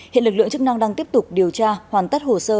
hiện lực lượng chức năng đang tiếp tục điều tra hoàn tất hồ sơ